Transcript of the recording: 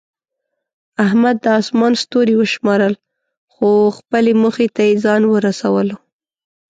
احمد د اسمان ستوري وشمارل، خو خپلې موخې ته یې ځان ورسولو.